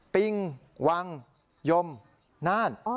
ปิงวังยมน่าน